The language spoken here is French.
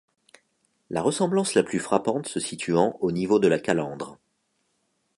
La ressemblance la plus frappante se situant au niveau de la calandre.